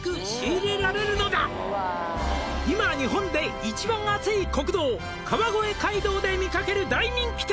「今日本で一番アツい国道」「川越街道で見かける大人気店」